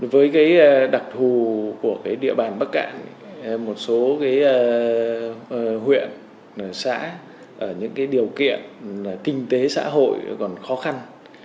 với đặc thù của địa bàn bắc cạn một số huyện xã những điều kiện kinh tế xã hội còn khó khăn